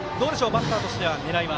バッターとしては狙いは。